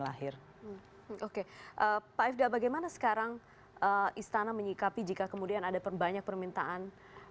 lahir oke pak ifda bagaimana sekarang istana menyikapi jika kemudian ada perbanyak permintaan